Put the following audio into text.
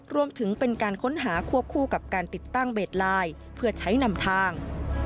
รวมถึงเป็นการค้นหาควบคู่กับการติดตั้งเบสไลน์เพื่อใช้นำทาง